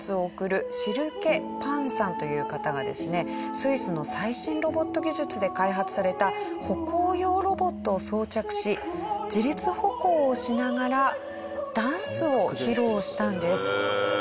スイスの最新ロボット技術で開発された歩行用ロボットを装着し自立歩行をしながらダンスを披露したんです。